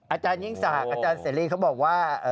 อาจารย์ยิ่งสากอาจารย์เซรีย์เขาบอกว่า